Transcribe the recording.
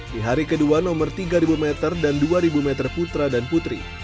di hari kedua nomor tiga meter dan dua ribu meter putra dan putri